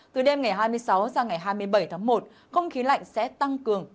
từ đêm ngày hai mươi sáu sang ngày hai mươi bảy tháng một không khí lạnh sẽ tăng cường